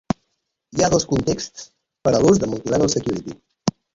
Hi ha dos contexts per a l'ús de Multilevel Security.